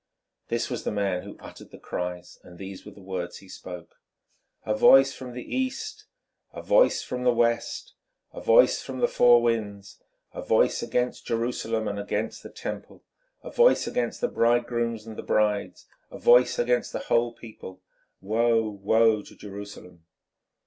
This was the man who uttered the cries, and these were the words he spoke: "A voice from the East! a voice from the West! a voice from the four Winds! a voice against Jerusalem and against the Temple! a voice against the bridegrooms and the brides! a voice against the whole people! Woe, woe to Jerusalem!"